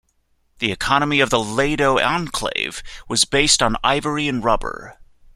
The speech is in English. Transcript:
The economy of the Lado Enclave was based on ivory and rubber.